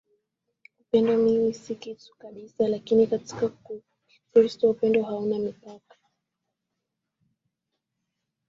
upendo mimi si kitu kabisa Lakini katika Ukristo upendo hauna mipaka